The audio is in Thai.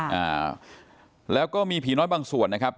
อ่าแล้วก็มีผีน้อยบางส่วนนะครับ